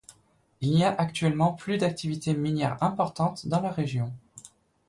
Il n'y a actuellement plus d'activité minière importante dans la région.